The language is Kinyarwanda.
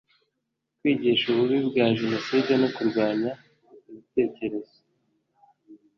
kwigisha ububi bwa jenoside no kurwanya ibitekerezo